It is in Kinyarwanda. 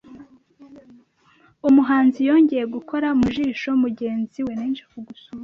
umuhanziYongeye Gukora Mujisho mugenzi we